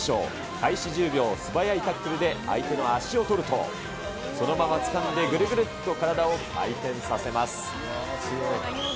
開始１０秒、素早いタックルで相手の足を取ると、そのままつかんでぐるぐるっと体を回転させます。